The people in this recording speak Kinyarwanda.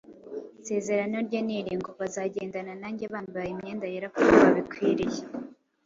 isezerano rye ni iri ngo: “bazagendana nanjye bambaye imyenda yera, kuko babikwiriye